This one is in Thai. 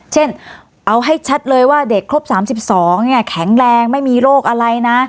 เช่นเอาให้ชัดเลยว่าเด็กครบ๓๒เนี่ยแข็งแรงไม่มีโรคอะไรนะ